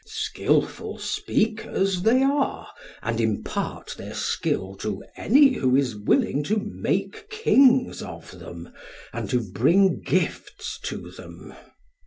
Skilful speakers they are, and impart their skill to any who is willing to make kings of them and to bring gifts to them.